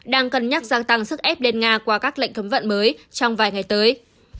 đang cân nhắc gia tăng sức ép lên nga qua các lệnh cấm vận mới trong vài ngày tới